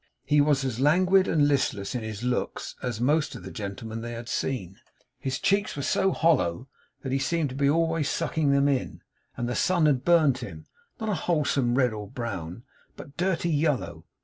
He was as languid and listless in his looks as most of the gentlemen they had seen; his cheeks were so hollow that he seemed to be always sucking them in; and the sun had burnt him, not a wholesome red or brown, but dirty yellow.